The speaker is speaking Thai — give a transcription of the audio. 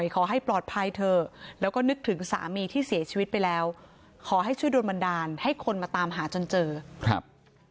ขอให้ปลอดภัยเถอะแล้วก็นึกถึงสามีที่เสียชีวิตไปแล้วขอให้ช่วยโดนบันดาลให้คนมาตามหาจนเจอครับ